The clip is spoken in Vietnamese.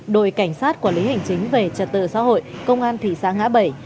đội cảnh sát quản lý hành chính về trật tự xã hội công an thị xã ngã bảy